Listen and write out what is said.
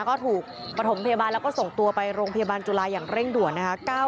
ก็ถูกประถมพยาบาลแล้วก็ส่งตัวไปโรงพยาบาลจุฬาอย่างเร่งด่วนนะคะ